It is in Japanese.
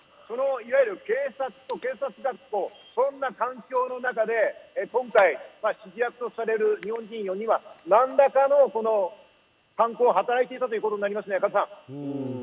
警察と警察学校、こんな環境の中で今回、指示役とされる日本人４人は何らかの犯行を働いていたということになりますね、加藤さん。